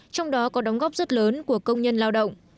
trong đó có đóng góp rất lớn của công nhân lao động